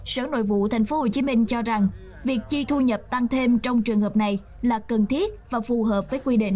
sở nội vụ tp hcm cho rằng việc chi thu nhập tăng thêm trong trường hợp này là cần thiết và phù hợp với quy định